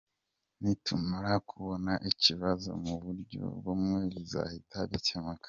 Nitumara kubona ikibazo mu buryo bumwe bizahita bikemuka.